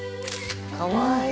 かわいい！